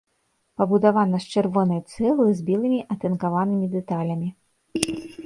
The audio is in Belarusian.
Пабудавана з чырвонай цэглы з белымі атынкаванымі дэталямі.